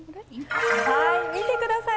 見てください。